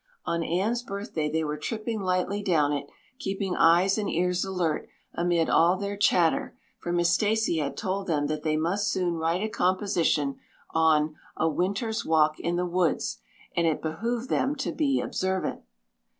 On Anne's birthday they were tripping lightly down it, keeping eyes and ears alert amid all their chatter, for Miss Stacy had told them that they must soon write a composition on "A Winter's Walk in the Woods," and it behooved them to be observant.